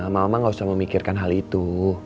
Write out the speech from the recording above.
mama gak usah mikirkan hal itu